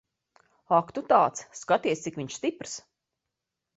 Ak tu tāds. Skaties, cik viņš stiprs.